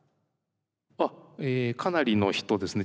あっかなりの人ですね。